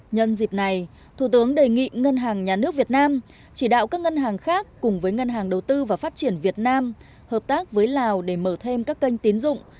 nhân dịp này thủ tướng đề nghị ngân hàng nhà nước việt nam chỉ đạo các ngân hàng khác cùng với ngân hàng đầu tư và phát triển việt nam hợp tác với lào để mở thêm các kênh tín dụng